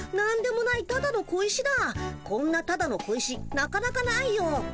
こんなただの小石なかなかないよ。